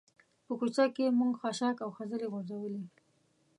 په کوڅه کې موږ خاشاک او خځلې غورځولي.